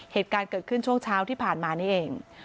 เหตุการณ์เกิดขึ้นช่วงเช้าที่ผ่านมานี่เอง